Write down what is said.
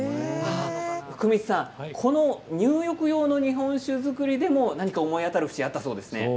福光さん、この入浴用の日本酒造りでも思い当たる節があったそうですね。